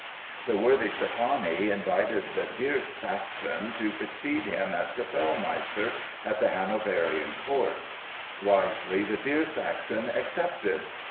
The worthy Steffani invited the "dear Saxon" to succeed him as Kapellmeister at the Hanoverian Court. Wisely, "the dear Saxon" accepted.